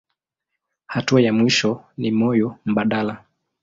Hatua ya mwisho ni moyo mbadala.